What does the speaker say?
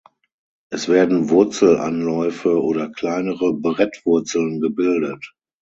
Es werden Wurzelanläufe oder kleinere Brettwurzeln gebildet.